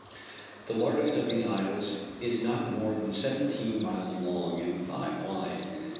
The largest of these isles is not more than seventeen miles long and five wide.